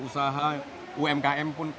usaha umkm pun